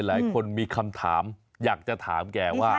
หลายคนมีคำถามอยากจะถามแกว่า